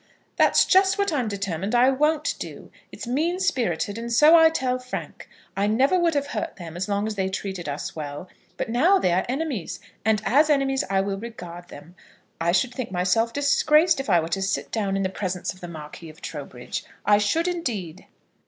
"That's just what I'm determined I won't do. It's mean spirited, and so I tell Frank. I never would have hurt them as long as they treated us well; but now they are enemies, and as enemies I will regard them. I should think myself disgraced if I were to sit down in the presence of the Marquis of Trowbridge; I should, indeed."